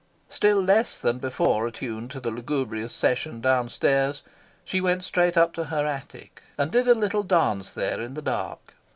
Still less than before attuned to the lugubrious session downstairs, she went straight up to her attic, and did a little dance there in the dark.